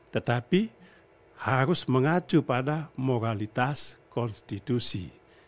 tetapi harus mengacu pada moralitas konstitusi